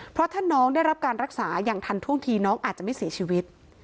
เพราะถ้าน้องได้รับการรักษาอย่างทันท่วงทีน้องอาจจะไม่เสียชีวิต